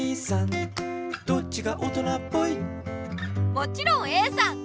もちろんＡさん！